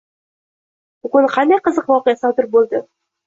Bugun qanday qiziq voqea sodir bo‘ldi?